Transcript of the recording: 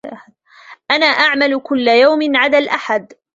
أنا أعمل كل يوم عدا الأحد.